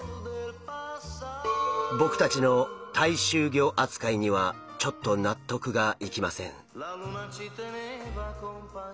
僕たちの大衆魚扱いにはちょっと納得がいきません。